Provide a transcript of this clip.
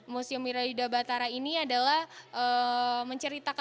museum wirayuda batara ini adalah menceritakan